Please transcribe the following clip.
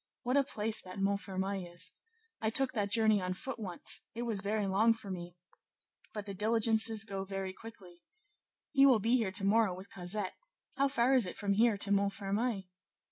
What a place that Montfermeil is! I took that journey on foot once; it was very long for me, but the diligences go very quickly! he will be here to morrow with Cosette: how far is it from here to Montfermeil?"